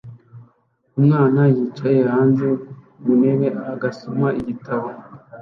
umwana yicaye hanze ku ntebe agasoma igitabo